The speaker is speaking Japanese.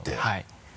はい。